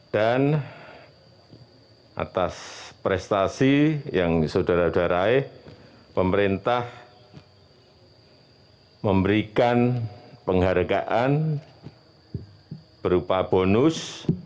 dan atas prestasi yang saudara saudara pemerintah memberikan penghargaan berupa bonus